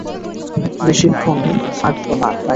বেশীক্ষণ থাকবো না বাইরে।